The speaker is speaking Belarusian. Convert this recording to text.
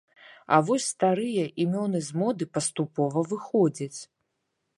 А вось старыя імёны з моды паступова выходзяць.